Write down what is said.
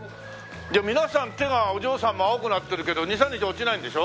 皆さん手がお嬢さんも青くなってるけど２３日落ちないんでしょ？